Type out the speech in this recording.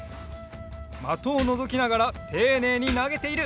まとをのぞきながらていねいになげている。